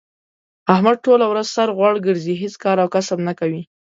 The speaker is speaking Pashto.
احمد ټوله ورځ سر غوړ ګرځی، هېڅ کار او کسب نه کوي.